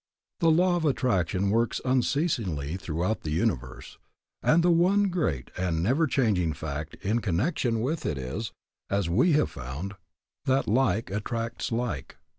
The law of attraction works unceasingly throughout the universe, and the one great and never changing fact in connection with it is, as we have found, that like attracts like.